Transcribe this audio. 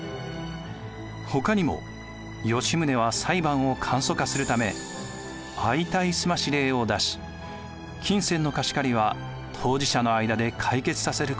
ほかにも吉宗は裁判を簡素化するため相対済し令を出し金銭の貸し借りは当事者の間で解決させることにしました。